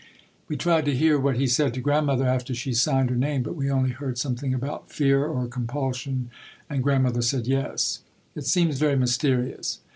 We tried to hear what he said to Grandmother after she signed her name but we only heard something about "fear or compulsion" and Grandmother said "yes." It seems very mysterious.